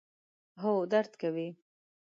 هو، درد کوي